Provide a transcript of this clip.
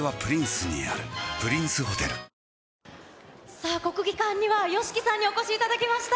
さあ、国技館にはＹＯＳＨＩＫＩさんにお越しいただきました。